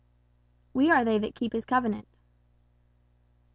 "We are they that keep his covenant."